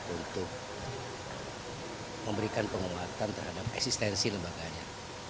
untuk memberikan penguatan terhadap eksistensi lembaganya